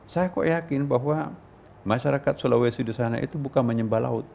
saya kok yakin bahwa masyarakat sulawesi di sana itu bukan menyembah laut